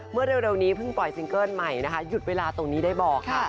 เมื่อเร็วนี้เพิ่งปล่อยซิงเกิ้ลใหม่นะคะหยุดเวลาตรงนี้ได้บอกค่ะ